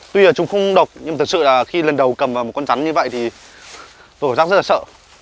tuy là chúng không độc nhưng thật sự là khi lần đầu cầm vào con rắn như vậy thì tôi cảm giác rất là sợ